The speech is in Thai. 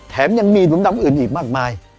แถมยังมีหนุนดำอื่นอีกมากมาย